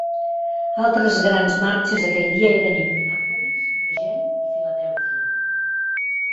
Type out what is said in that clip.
Altres grans marxes aquell dia eren Indianapolis, Eugene i Filadèlfia.